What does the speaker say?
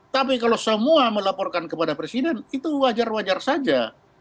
tapi kalau semua melaporkan kepada presiden itu wajar wajar saja